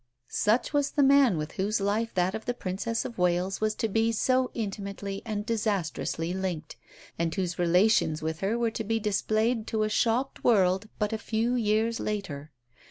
Such was the man with whose life that of the Princess of Wales was to be so intimately and disastrously linked, and whose relations with her were to be displayed to a shocked world but a few years later.